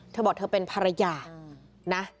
เธอบอกเธอเป็นภรรยานะ